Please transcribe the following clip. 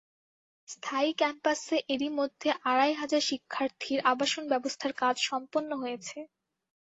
স্থায়ী ক্যাম্পাসে এরই মধ্যে আড়াই হাজার শিক্ষার্থীর আবাসনব্যবস্থার কাজ সম্পন্ন হয়েছে।